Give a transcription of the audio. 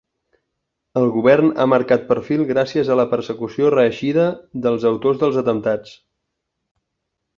El govern ha marcat perfil gràcies a la persecució reeixida dels autors dels atemptats.